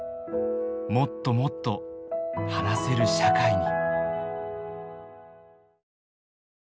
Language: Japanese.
もっともっと話せる社会に。